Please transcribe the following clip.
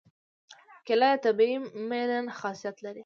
کېله د طبیعي ملین خاصیت لري.